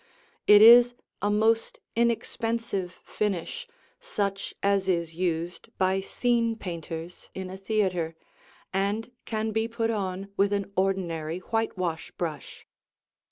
It is a most inexpensive finish, such as is used by scene painters in a theater, and can be put on with an ordinary whitewash brush.